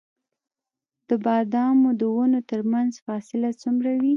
د بادامو د ونو ترمنځ فاصله څومره وي؟